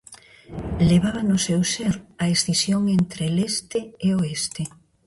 Levaba no seu ser a escisión entre leste e oeste.